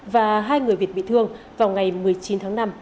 và hai người việt bị thương vào ngày một mươi chín tháng năm